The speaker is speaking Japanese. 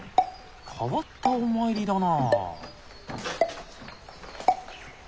変わったお参りだな。